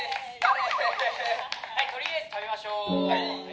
「はいとりあえず食べましょう」